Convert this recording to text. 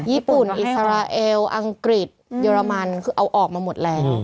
ญี่ปุ่นอิสราเอลอังกฤษเยอรมันคือเอาออกมาหมดแล้ว